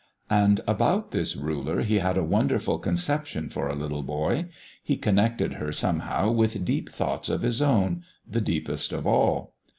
And about this Ruler he had a wonderful conception for a little boy; he connected her, somehow, with deep thoughts of his own, the deepest of all.